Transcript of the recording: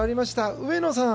上野さん。